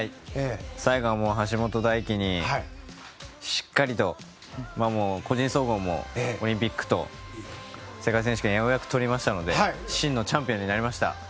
最後は、橋本大輝にしっかりと個人総合もオリンピックと世界選手権ようやくとりましたので真のチャンピオンになりました。